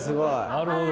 なるほど。